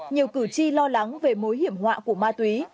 nhiều cử tri lo lắng về mối hiểm họa của ma túy